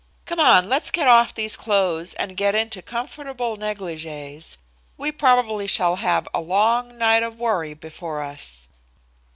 Come on, let's get off these clothes and get into comfortable negligees. We probably shall have a long night of worry before us."